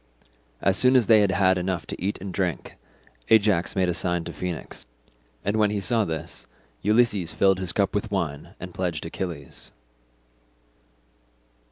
As soon as they had had enough to eat and drink, Ajax made a sign to Phoenix, and when he saw this, Ulysses filled his cup with wine and pledged Achilles.